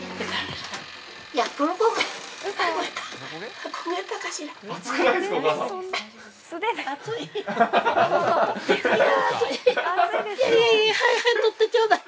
いやいやいやはよ取ってちょうだい。